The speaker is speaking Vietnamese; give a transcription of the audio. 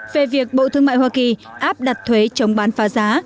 về việc bộ thương mại hoa kỳ áp đặt thuế chống bán phá giá